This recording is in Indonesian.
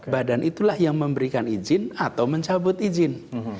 badan itulah yang memberikan izin atau mencabut izin